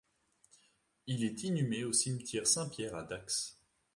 Il est inhumé au Cimetière Saint-Pierre à Dax.